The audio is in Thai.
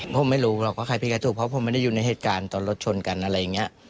ผมไม่รู้หรอกว่าใครผิดกระจกเพราะผมไม่ได้อยู่ในเหตุการณ์ตอนรถชนกันอะไรอย่างนี้